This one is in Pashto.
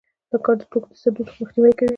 دا کار د توکو د صدور مخنیوی کوي